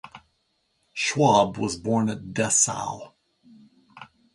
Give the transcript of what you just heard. Schwabe was born at Dessau.